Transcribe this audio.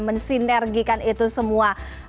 mensinergikan itu semua